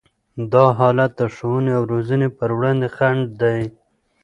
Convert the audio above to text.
دا حالت د ښوونې او روزنې پر وړاندې خنډ دی.